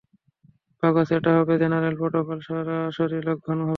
বাগস, এটা হবে জেনারেলের প্রটোকলের সরাসরি লঙ্ঘন হবে!